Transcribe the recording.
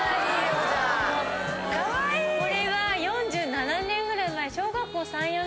・これは４７年ぐらい前。